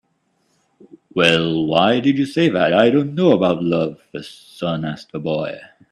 "Well, why did you say that I don't know about love?" the sun asked the boy.